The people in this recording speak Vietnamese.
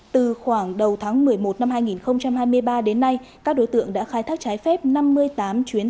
từ khoảng đầu tháng một mươi một năm hai nghìn hai mươi ba đến nay các đối tượng đã khai thác trái phép năm mươi tám chuyến